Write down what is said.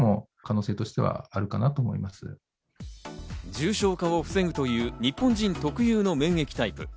重症化を防ぐという日本人特有の免疫タイプ。